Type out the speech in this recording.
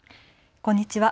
こんにちは。